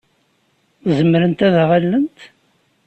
Zemrent ad aɣ-allent?